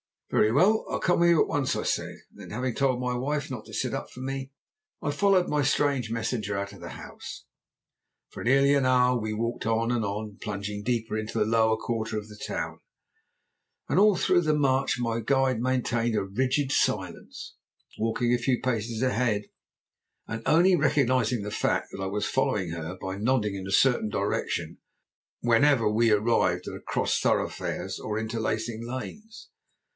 "'Very well, I'll come with you at once,' I said. Then, having told my wife not to sit up for me, I followed my strange messenger out of the house. "For nearly an hour we walked on and on, plunging deeper into the lower quarter of the town. All through the march my guide maintained a rigid silence, walking a few paces ahead, and only recognizing the fact that I was following her by nodding in a certain direction whenever we arrived at cross thoroughfares or interlacing lanes.